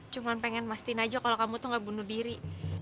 cuma pengen masin aja kalau kamu tuh gak bunuh diri